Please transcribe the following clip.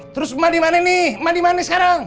terus mana mana nih mana mana sekarang